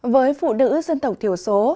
với phụ nữ dân tộc thiểu số